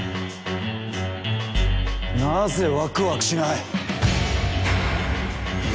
なぜワクワクしない。